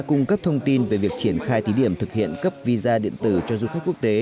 cung cấp thông tin về việc triển khai thí điểm thực hiện cấp visa điện tử cho du khách quốc tế